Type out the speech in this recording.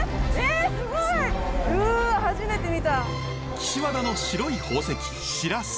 岸和田の白い宝石シラス。